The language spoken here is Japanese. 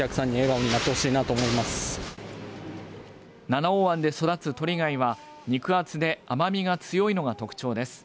七尾湾で育つトリガイは肉厚で甘みが強いのが特徴です。